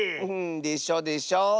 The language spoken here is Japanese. うんでしょでしょ？